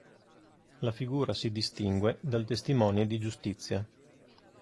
La figura si distingue dal testimone di giustizia.